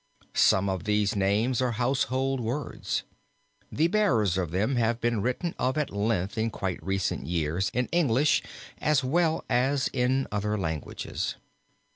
Some of these names are household words. The bearers of them have been written of at length in quite recent years in English as well as in other languages.